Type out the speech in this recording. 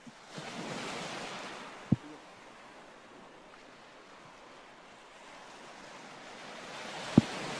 Zino ze zisimiddwa mu ggwanga lyonna